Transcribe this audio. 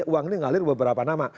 jadi uang ini mengalir beberapa nama